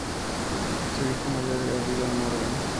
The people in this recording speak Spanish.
Su hijo mayor era Dylan Morgan.